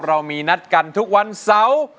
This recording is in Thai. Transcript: เรามีนัดกันทุกวันเสาร์